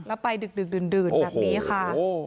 แล้วไปดึกดื่นแบบนี้ค่ะ